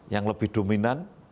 yang lebih dominan